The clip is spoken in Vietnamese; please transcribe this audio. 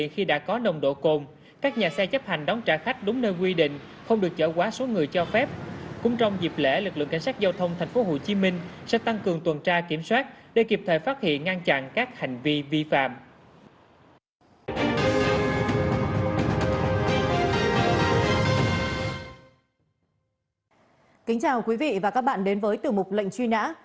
kính chào quý vị và các bạn đến với tiểu mục lệnh truy nã